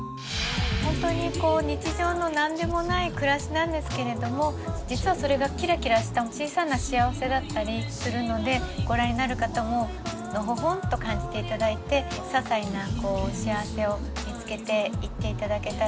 本当にこう日常の何でもない暮らしなんですけれども実はそれがキラキラした小さな幸せだったりするのでご覧になる方ものほほんと感じて頂いてささいな幸せを見つけていって頂けたらなっていうふうに思ってます。